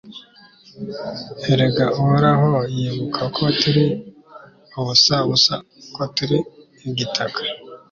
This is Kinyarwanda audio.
erega, uhoraho yibuka ko turi ubusabusa, ko turi igitaka